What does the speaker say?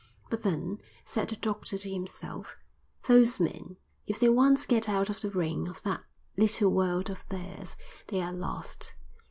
"But then," said the doctor to himself, "those men, if they once get out of the ring of that little world of theirs, they are lost.